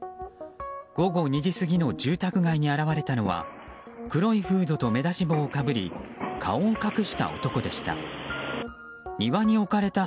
午後２時過ぎの住宅街に現れたのは黒いフードと目出し帽をかぶり顔を隠した男でした。